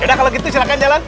udah kalau gitu silahkan jalan